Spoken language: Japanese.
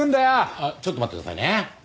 あっちょっと待ってくださいね。